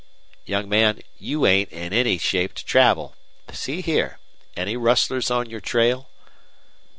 "Young man, you ain't in any shape to travel. See here any rustlers on your trail?"